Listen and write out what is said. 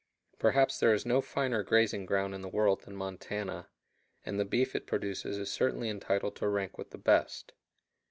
Perhaps there is no finer grazing ground in the world than Montana, and the beef it produces is certainly entitled to rank with the best.